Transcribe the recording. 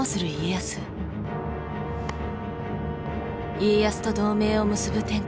家康と同盟を結ぶ天下人